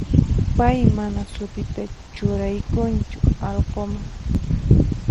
Pay mana sutita churaykunchu allqunman.